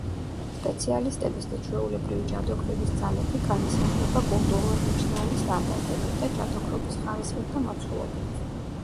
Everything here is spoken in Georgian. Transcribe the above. სპეციალისტების და ჩვეულებრივი ჯადოქრების ძალები განისაზღვრება კულტურულად მიჩნეული სტანდარტებით და ჯადოქრობის ხარისხით და მოცულობით.